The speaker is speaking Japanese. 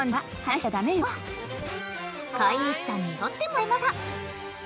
飼い主さんに取ってもらいました。